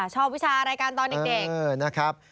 ชอบวิชารายการตอนเด็ก